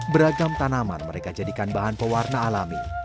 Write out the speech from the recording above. beragam tanaman mereka jadikan bahan pewarna alami